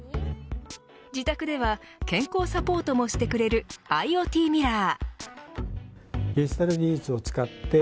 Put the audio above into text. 自宅では健康サポートもしてくれるＩｏＴミラー。